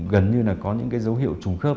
gần như là có những dấu hiệu trùng khớp